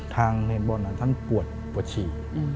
ทางเมนบอลนั้นท่านปวดปวดฉี่